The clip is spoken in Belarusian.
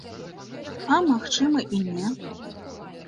А, магчыма, і не.